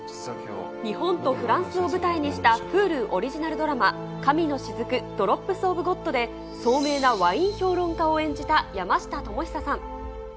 日本とフランスを舞台にしたＨｕｌｕオリジナルドラマ、神の雫／ドロップス・オブ・ゴッドで、聡明なワイン評論家を演じた山下智久さん。